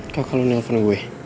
kakak lu nelfon gue